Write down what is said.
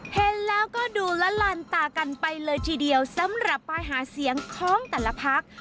เห็นแล้วก็ดูละลานตากันไปเลยทีเดียวสำหรับป้ายหาเสียงของแต่ละพัก